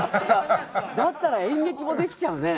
だったら演劇もできちゃうね。